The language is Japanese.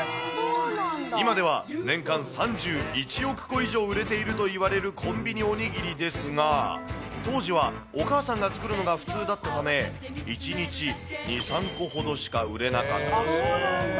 今では年間３１億個以上売れているといわれるコンビニおにぎりですが、当時はお母さんが作るのが普通だったため、１日２、３個ほどしか売れなかったそう。